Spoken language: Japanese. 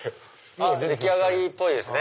出来上がりっぽいですね。